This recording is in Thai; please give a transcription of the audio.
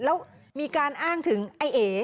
แล้วมีการอ้างถึงไอ้เอ๋